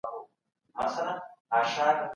چپس او برګر ماشومانو ته مه ورکوئ.